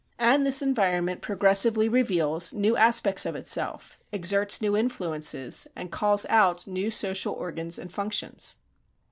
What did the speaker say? And this environment progressively reveals new aspects of itself, exerts new influences, and calls out new social organs and functions.